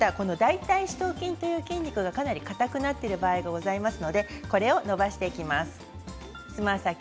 大たい四頭筋という筋肉がかなり硬くなっている場合がございますのでこちらを伸ばしていきます。